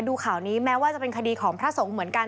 ดูข่าวนี้แม้ว่าจะเป็นคดีของพระสงฆ์เหมือนกัน